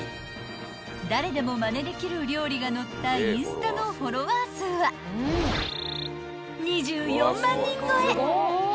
［誰でもまねできる料理が載ったインスタのフォロワー数は２４万人超え！］